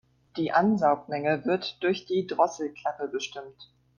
Die Ansaugmenge wird durch die Drosselklappe bestimmt.